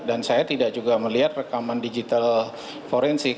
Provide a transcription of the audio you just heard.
dan saya tidak juga melihat rekaman digital forensik